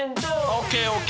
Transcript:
ＯＫＯＫ！